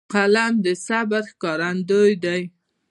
قلم د صبر ښکارندوی دی